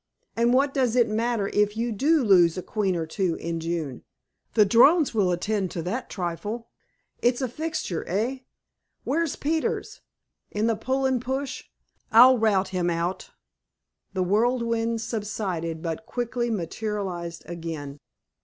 And what does it matter if you do lose a queen or two in June? The drones will attend to that trifle.... It's a fixture, eh? Where's Peters? In the Pull and Push? I'll rout him out." The whirlwind subsided, but quickly materialized again.